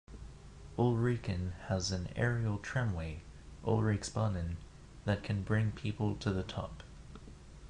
Ulriken has an aerial tramway, Ulriksbanen, that can bring people to the top.